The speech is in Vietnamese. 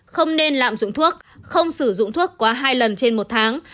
không nên lạm dụng thuốc không sử dụng thuốc quá hai lần trên một tháng